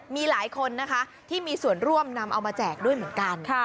มีหลายคนนะคะที่มีส่วนร่วมนำเอามาแจกด้วยเหมือนกัน